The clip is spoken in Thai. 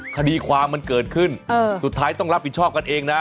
คดีความมันเกิดขึ้นสุดท้ายต้องรับผิดชอบกันเองนะ